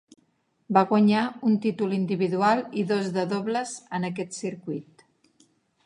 Va guanyar un títol individual i dos de dobles en aquest circuit.